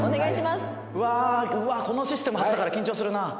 このシステム初だから緊張するな。